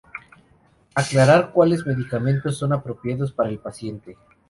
Aclarar cuales medicamentos son apropiados para el paciente.